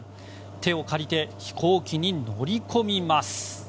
手を借りて飛行機に乗り込みます。